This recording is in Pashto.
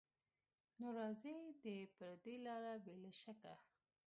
نو راځي دې پر دې لاره بې له شکه